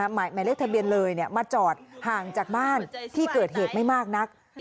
หมายเลขทะเบียนเลยมาจอดห่างจากบ้านที่เกิดเหตุไม่มากนัก